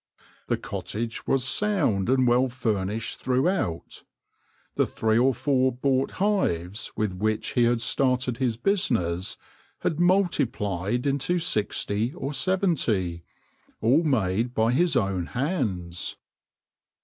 The cottage was sound and well furnished throughout. The three or four bought hives, with which he had started his business, had multiplied into sixty or seventy, all made by his own hands.